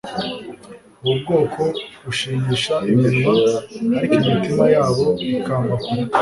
ati : "Ubu bwoko bunshimisha iminwa, ariko imitima yabo ikamba kure.